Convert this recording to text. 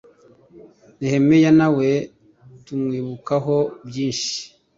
nehemiya na we, tumwibukaho byinshi